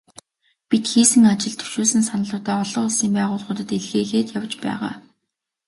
Бид хийсэн ажил, дэвшүүлсэн саналуудаа олон улсын байгууллагуудад илгээгээд явж байгаа.